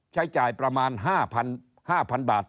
ใช้จ่ายประมาณ๕๐๐๐บาท